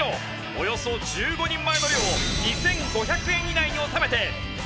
およそ１５人前の量を２５００円以内に収めて全員満腹。